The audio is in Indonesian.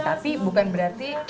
tapi bukan berarti